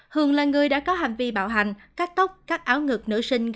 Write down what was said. hường là người đã có hành vi bạo hành cắt tóc các áo ngực nữ sinh